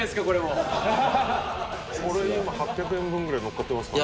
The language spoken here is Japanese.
これ今８００円分ぐらいのっかってますかね